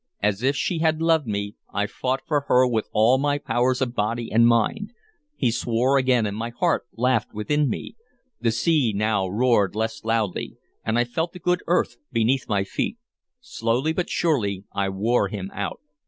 As if she had loved me I fought for her with all my powers of body and mind. He swore again, and my heart laughed within me. The sea now roared less loudly, and I felt the good earth beneath my feet. Slowly but surely I wore him out.